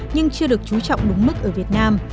nhưng chưa được chú trọng đúng mức ở việt nam